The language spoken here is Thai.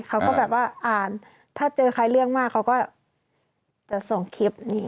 เขาก็แบบว่าอ่านถ้าเจอใครเรื่องมากเขาก็จะส่งคลิปนี้